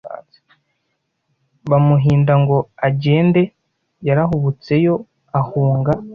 Bamuhinda ngo agende Yarahubutse yo ahunga